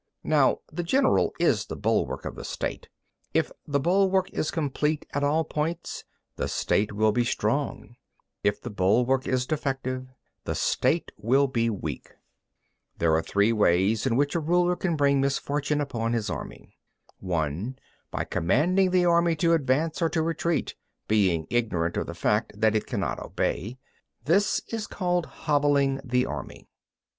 11. Now the general is the bulwark of the State: if the bulwark is complete at all points; the State will be strong; if the bulwark is defective, the State will be weak. 12. There are three ways in which a ruler can bring misfortune upon his army:— 13. (1) By commanding the army to advance or to retreat, being ignorant of the fact that it cannot obey. This is called hobbling the army.